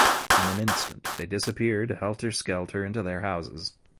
In an instant they disappeared helter-skelter into their houses.